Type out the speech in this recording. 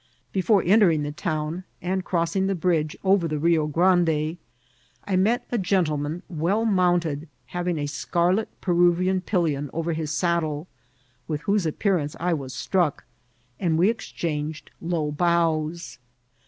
Before en« tering the town and crossing the bridge over the Bio Grande, I met a gentleman well mounted, having a scar« let Peruvian pelloa over hiff saddle, with whose appear* ance I was struck, and we exchanged low bows.